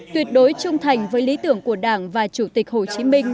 tuyệt đối trung thành với lý tưởng của đảng và chủ tịch hồ chí minh